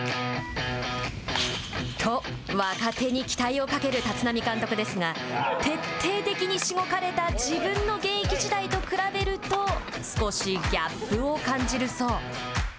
と、若手に期待をかける立浪監督ですが、徹底的にしごかれた自分の現役時代と比べると、少しギャップを感じるそう。